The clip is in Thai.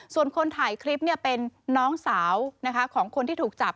ส่วนคนถ่ายคลิปเป็นน้องสาวของคนที่ถูกจับ